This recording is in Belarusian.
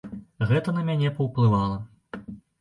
Гэта на мяне паўплывала.